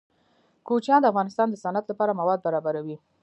کوچیان د افغانستان د صنعت لپاره مواد برابروي.